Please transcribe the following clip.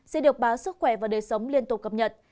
sẽ được báo sức khỏe và đời sống liên tục cập nhật